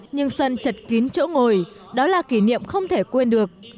nhưng sân chật kín chỗ ngồi đó là kỷ niệm không thể quên được